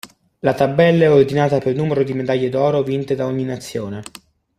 La tabella è ordinata per numero di medaglie d'oro vinte da ogni nazione.